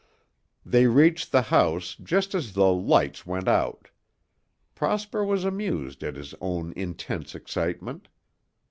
They reached the house just as the lights went out. Prosper was amused at his own intense excitement.